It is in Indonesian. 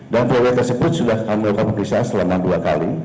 dan vw tersebut sudah mengambil kemuliaan selama dua kali